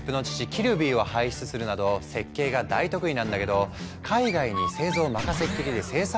キルビーを輩出するなど設計が大得意なんだけど海外に製造を任せっきりで生産力が低迷。